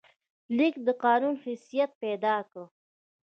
لیک د قانون حیثیت پیدا کړ.